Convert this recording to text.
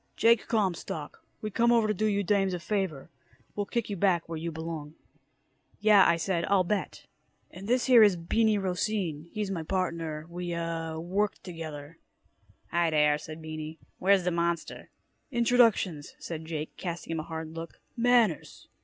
"Jake Comstock. We come over to do you dames a favor. We'll kick you back where you belong." "Yeah," I said, "I'll bet." "And this here is Beany Rocine. He's my partner. We uh work together." "Hi dere," said Beany. "Where's da monster?" "Introductions," said Jake, casting him a hard look. "Manners."